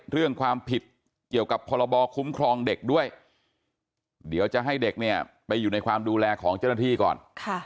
เรื่องความผิดเกี่ยวกับพรบคุ้มครองเด็กด้วยเดี๋ยวจะให้เด็กเนี่ยไปอยู่ในความดูแลของเจ้าหน้าที่ก่อน